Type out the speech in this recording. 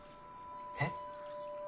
えっ？